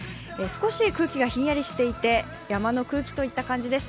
少し空気がひんやりしていて山の空気といった感じです。